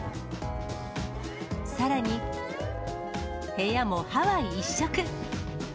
さらに部屋もハワイ一色。